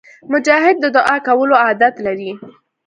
مجاهد د دعا کولو عادت لري.